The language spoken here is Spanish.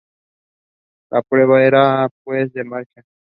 La prueba era, pues, de marcha.